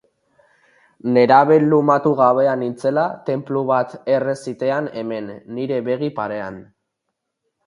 Nerabe lumatu gabea nintzela tenplu bat erre zitean hemen, nire begi parean.